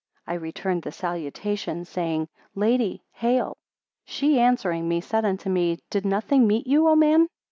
I returned the salutation, saying, Lady, Hail! 16 She answering said unto me, Did nothing meet you, O man!